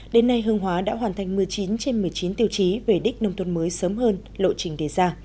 đến nay hương hóa đã hoàn thành một mươi chín trên một mươi chín tiêu chí về đích nông thôn mới sớm hơn lộ trình đề ra